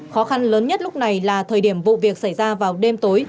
khó khăn lớn nhất lúc này là thời điểm vụ việc xảy ra vào đêm tối